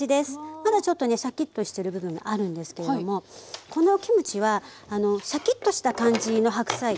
まだちょっとねシャキッとしてる部分があるんですけれどもこのキムチはシャキッとした感じの白菜のキムチなんですね。